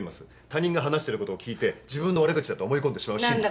他人が話してることを聞いて自分の悪口だと思い込んでしまう心理。